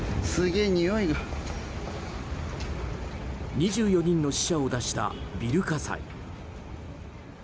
２４人の死者を出したビル火災。